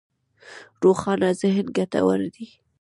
روښانه ذهن ګټور دی.